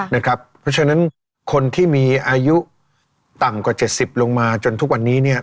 เพราะฉะนั้นคนที่มีอายุต่ำกว่า๗๐ลงมาจนทุกวันนี้